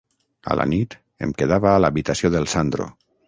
A la nit, em quedava a l’habitació del Sandro.